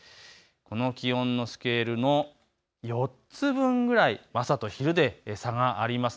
この気温のスケール、４つ分くらい朝と昼で差があります。